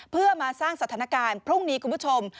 เพื่อมาสร้างสถานการณ์พรุ่งนี้คุณผู้ชม